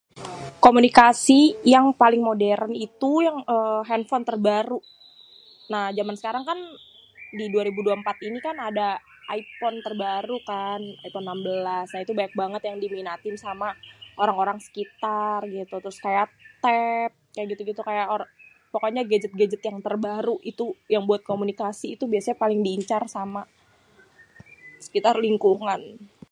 komunikasi yang paling moderen itu yang êê hénfon terbaru.. nah jaman sekarang kan di dua ribu dua êmpat ini kan ada Iphone terbaru kan.. Iphone 16.. nah itu banyak banget yang diminatin sama orang-orang sekitar gitu.. terus kayak tab kayak gitu-gitu.. pokoknya gadget-gadget terbaru itu yang buat komunikasi itu biasanya paling diincar sama sekitar lingkungan..